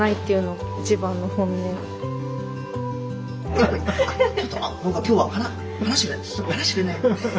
なんか今日は離してくれない。